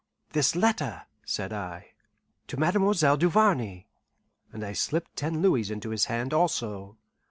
"This letter," said I, "to Mademoiselle Duvarney," and I slipped ten louis into his hand, also.